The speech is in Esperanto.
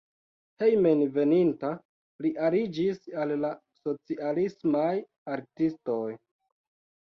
Hejmenveninta li aliĝis al la socialismaj artistoj.